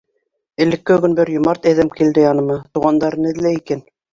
Элеккегөн бер йомарт әҙәм килде яныма, туғандарын эҙләй икән.